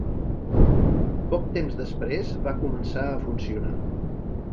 Poc temps després va començar a funcionar.